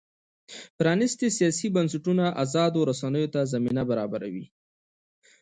پرانیستي سیاسي بنسټونه ازادو رسنیو ته زمینه برابروي.